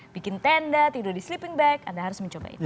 bikin tenda tidur di sleeping bag anda harus mencobainya